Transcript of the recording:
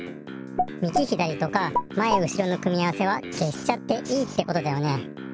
みぎひだりとかまえうしろの組み合わせはけしちゃっていいってことだよね。